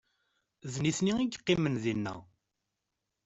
D nitni i yeqqimen dinna.